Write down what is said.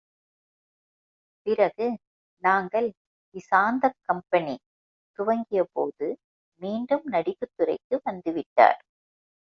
பிறகு நாங்கள் இசாந்தக் கம்பெனி துவக்கியபோது மீண்டும் நடிப்புத் துறைக்கு வந்து விட்டார்.